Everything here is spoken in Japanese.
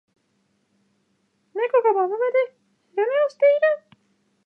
猫が窓辺で昼寝をしている。